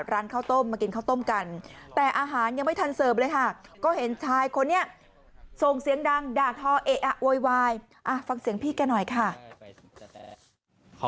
ร้านข้าวต้มมากินข้าวต้มกันแต่อาหารยังไม่ทันเสิร์ฟเลยค่ะ